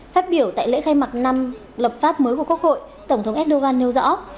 phát biểu tại lễ khai mạc năm lập pháp mới của quốc hội tổng thống erdogan nêu rõ